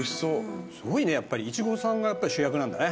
すごいねやっぱりイチゴさんがやっぱり主役なんだね。